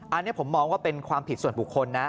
อันนี้ผมมองว่าเป็นความผิดส่วนบุคคลนะ